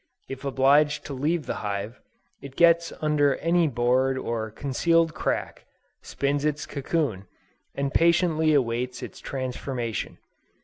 If obliged to leave the hive, it gets under any board or concealed crack, spins its cocoon, and patiently awaits its transformation.